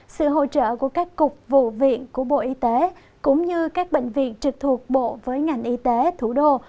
sự hỗ trợ của các cục vụ viện của bộ y tế cũng như các bệnh viện trực thuộc bộ với ngành y tế thủ đô